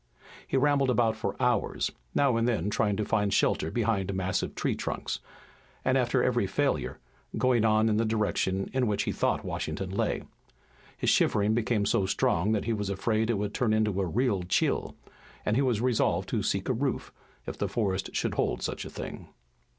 He rambled about for hours, now and then trying to find shelter behind massive tree trunks, and, after every failure, going on in the direction in which he thought Washington lay. His shivering became so strong that he was afraid it would turn into a real chill, and he resolved to seek a roof, if the forest should hold such a thing.